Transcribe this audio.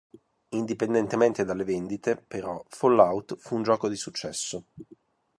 Indipendentemente dalle vendite, però, "Fallout" fu un gioco di successo.